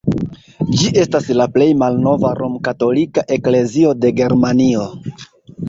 Ĝi estas la plej malnova rom-katolika eklezio de Germanio.